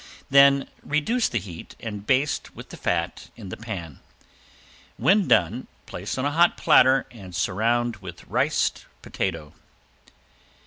Then reduce the heat and baste with the fat in the pan. When done place on a hot platter and surround with riced potato.